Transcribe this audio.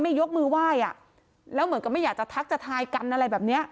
ยกมือไหว้อ่ะแล้วเหมือนกับไม่อยากจะทักจะทายกันอะไรแบบเนี้ย